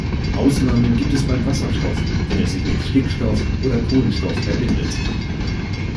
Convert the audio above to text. Ausnahmen gibt es beim Wasserstoff, wenn er sich mit Stickstoff oder Kohlenstoff verbindet.